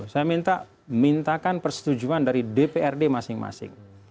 saya mintakan persetujuan dari dprd masing masing